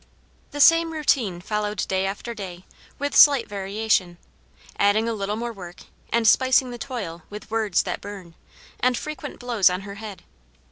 The same routine followed day after day, with slight variation; adding a little more work, and spicing the toil with "words that burn," and frequent blows on her head.